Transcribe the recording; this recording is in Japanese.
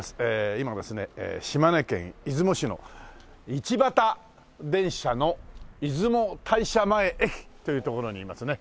今ですね島根県出雲市の一畑電車の出雲大社前駅という所にいますね。